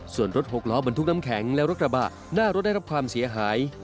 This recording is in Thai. ส่วนรถหกล้อบรรทุกน้ำแข็งและรถกระบะหน้ารถได้รับความเสียหาย